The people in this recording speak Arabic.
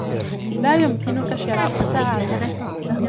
لا يمكنك شراء السعادة.